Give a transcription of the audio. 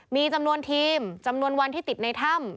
มีจำนวนทีมจำนวนวันที่ติดในถ้ำ